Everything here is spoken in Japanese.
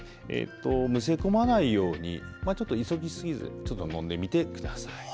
むせ込まないように、急ぎすぎずちょっと飲んでみてください。